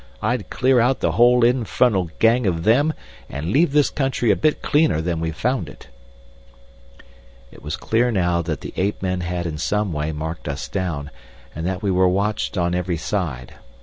I'd clear out the whole infernal gang of them and leave this country a bit cleaner than we found it." It was clear now that the ape men had in some way marked us down, and that we were watched on every side.